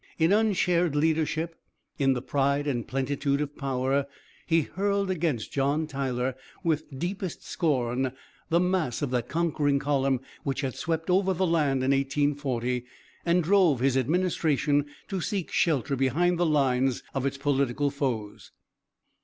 In unshared leadership, in the pride and plentitude of power, he hurled against John Tyler, with deepest scorn the mass of that conquering column which had swept over the land in 1840, and drove his administration to seek shelter behind the lines of its political foes.